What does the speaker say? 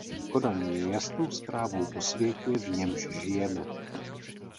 Kodaň je jasnou zprávou o světě, v němž žijeme.